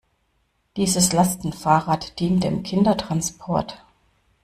Dieses Lastenfahrrad dient dem Kindertransport.